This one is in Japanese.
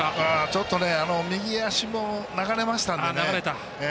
ちょっと右足も流れましたんでね。